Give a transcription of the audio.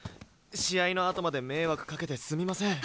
試合のあとまで迷惑かけてすみません。